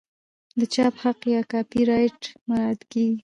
د چاپ حق یا کاپي رایټ مراعات کیږي.